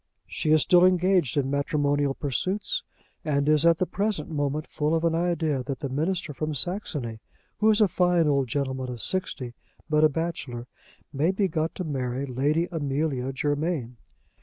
She is still engaged in matrimonial pursuits, and is at the present moment full of an idea that the minister from Saxony, who is a fine old gentleman of sixty, but a bachelor, may be got to marry Lady Amelia Germain.